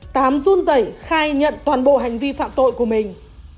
tám run lẩy khai nhận toàn bộ hành vi phạm tội của mình